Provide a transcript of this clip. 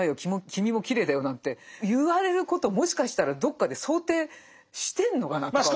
君もきれいだよ」なんて言われることをもしかしたらどっかで想定してんのかなとか。